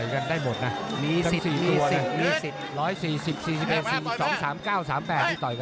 ไม่ได้หมดนะมีสิบ